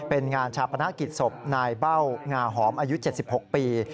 เป็นงานชาปนกิจศพนายเบ้างาหอมอายุ๗๖ปี